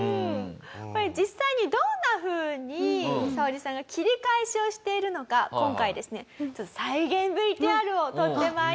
これ実際にどんなふうにサオリさんが切り返しをしているのか今回ですね再現ＶＴＲを撮って参りました。